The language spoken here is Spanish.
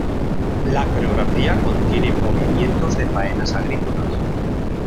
La coreografía contiene movimientos de faenas agrícolas